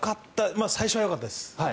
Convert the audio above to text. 最初はよかったです。